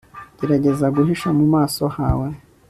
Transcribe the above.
gerageza guhisha mu maso hawe